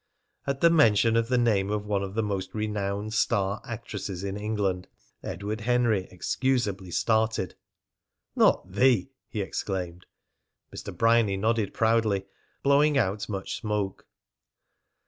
At the mention of the name of one of the most renowned star actresses in England, Edward Henry excusably started. "Not the ?" he exclaimed. Mr. Bryany nodded proudly, blowing out much smoke.